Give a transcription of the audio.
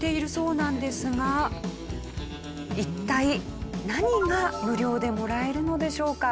一体何が無料でもらえるのでしょうか？